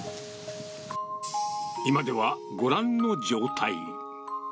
今ではご覧の状態。